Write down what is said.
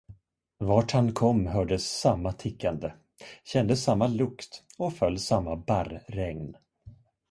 Vart han kom, hördes samma tickande, kändes samma lukt, och föll samma barr-regn.